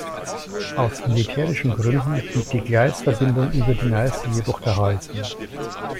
Aus militärischen Gründen blieb die Gleisverbindung über die Neiße jedoch erhalten.